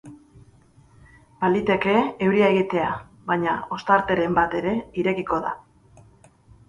Baliteke euria egitea, baina ostarteren bat ere irekiko da.